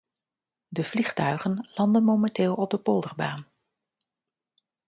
De vliegtuigen landen momenteel op de Polderbaan.